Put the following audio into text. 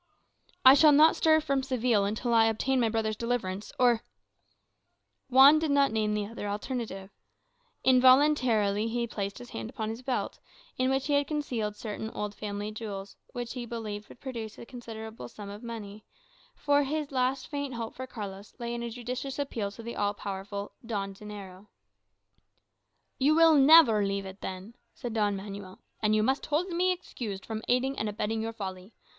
"I shall not stir from Seville till I obtain my brother's deliverance; or " Juan did not name the other alternative. Involuntarily he placed his hand on his belt, in which he had concealed certain old family jewels, which he believed would produce a considerable sum of money; for his last faint hope for Carlos lay in a judicious appeal to the all powerful "Don Dinero."[#] [#] The Lord Dollar. "You will never leave it, then," said Don Manuel. "And you must hold me excused from aiding and abetting your folly.